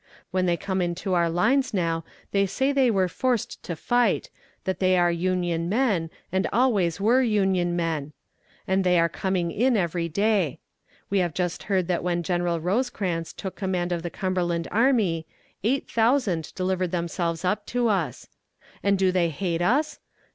When they come into our lines now they say they were forced to fight, that they are Union men, and always were Union men. And they are coming in every day. We have just heard that when General Rosecrans took command of the Cumberland army, eight thousand delivered themselves up to us. And do they hate us?